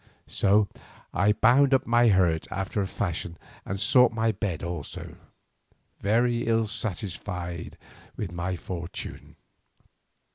So I bound up my hurt after a fashion and sought my bed also, very ill satisfied with my fortune.